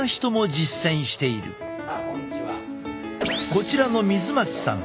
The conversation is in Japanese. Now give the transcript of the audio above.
こちらの水牧さん。